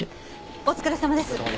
お疲れさまです。